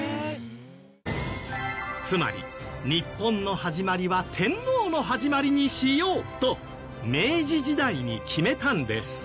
つまり日本の始まりは天皇の始まりにしようと明治時代に決めたんです。